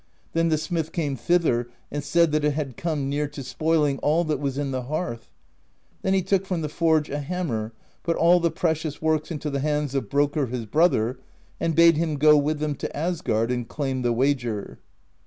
Then the smith came thither and said that it had come near to spoiling all that was in the hearth. Then he took from the forge a hammer, put all the precious works into the hands of Brokkr his brother, and bade him go with them to Asgard and claim the wager.